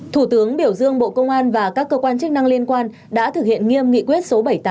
thủ tướng biểu dương bộ công an và các cơ quan chức năng liên quan đã thực hiện nghiêm nghị quyết số bảy mươi tám